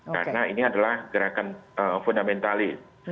karena ini adalah gerakan fundamentalis